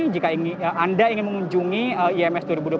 jika anda ingin mengunjungi ims dua ribu dua puluh